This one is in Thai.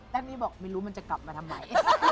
แต่นี่บอกไม่รู้มันจะกลับมาทำไม